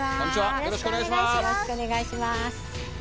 よろしくお願いします。